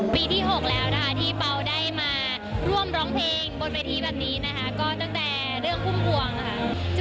ปีที่๖แล้วนะคะที่เปล่าได้มาร่วมร้องเพลงบนเวทีแบบนี้นะคะก็ตั้งแต่เรื่องพุ่มพวงค่ะ